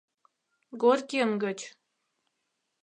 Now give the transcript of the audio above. Горькийын гыч